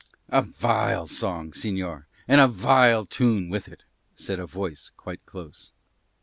"A vile song, señor, and a vile tune with it," said a voice quite close.